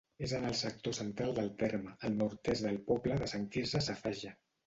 És en el sector central del terme, al nord-est del poble de Sant Quirze Safaja.